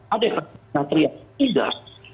ada yang teriak tidak